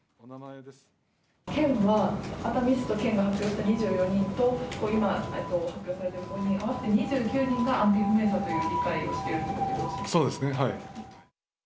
県は、熱海市と県が発表した２４人と、今、発表された５人を合わせて２９人が安否不明者という理解をしていそうですね、はい。